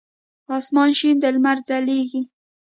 اسمان شین دی لمر ځلیږی